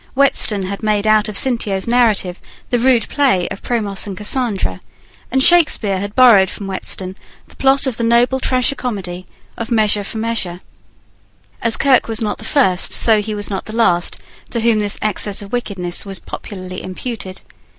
Whetstone had made out of Cintio's narrative the rude play of Promos and Cassandra; and Shakspeare had borrowed from Whetstone the plot of the noble tragicomedy of Measure for Measure. As Kirke was not the first so he was not the last, to whom this excess of wickedness was popularly imputed.